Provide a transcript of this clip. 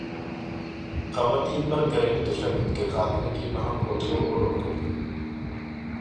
خواتین پر گھریلو تشدد کے خاتمے کی مہم رکو اور روکو